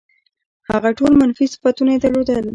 هغه ټول منفي صفتونه یې درلودل.